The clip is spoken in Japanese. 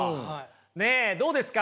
ねっどうですか？